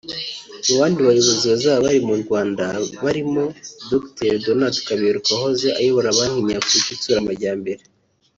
Mu bandi bayobozi bazaba bari mu Rwanda barimo Dr Donald Kaberuka wahoze ayobora Banki Nyafurika Itsura Amajyambere